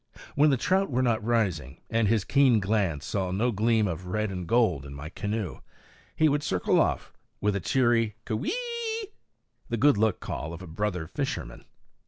When the trout were not rising, and his keen glance saw no gleam of red and gold in my canoe, he would circle off with a cheery K'weee! the good luck call of a brother fisherman.